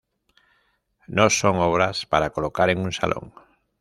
No son obras para colocar en un salon.